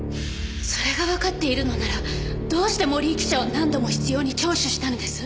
それがわかっているのならどうして森井記者を何度も執拗に聴取したのです？